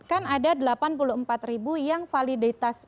kan ada delapan puluh empat ribu yang validitas